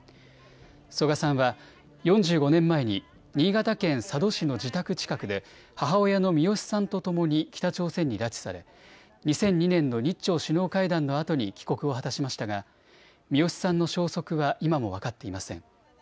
曽我さんは４５年前に新潟県佐渡市の自宅近くで母親のミヨシさんとともに北朝鮮に拉致され２００２年の日朝首脳会談のあとに帰国を果たしましたがミヨシさんの消息は今も分かっていません。